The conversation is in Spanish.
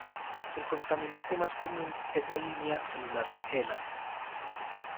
El contaminante más común es la línea celular HeLa.